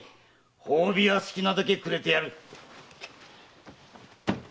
褒美は好きなだけくれてやる。